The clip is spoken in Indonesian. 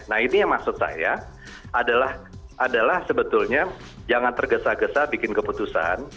nah ini yang maksud saya adalah sebetulnya jangan tergesa gesa bikin keputusan